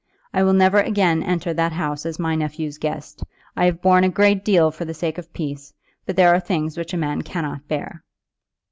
"I will never again enter that house as my nephew's guest. I have borne a great deal for the sake of peace, but there are things which a man cannot bear."